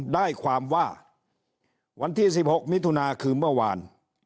ได้ความว่าวันที่๑๖มิถุนาคือเมื่อวาน